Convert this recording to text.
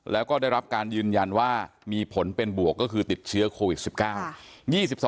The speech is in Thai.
แล้วก็ได้รับการยืนยันว่ามีผลเป็นบวกก็คือติดเชื้อโควิด๑๙